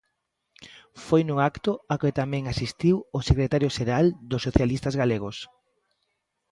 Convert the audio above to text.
Foi nun acto ao que tamén asistiu o secretario xeral dos socialistas galegos.